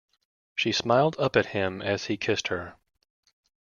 She smiled up at him as he kissed her.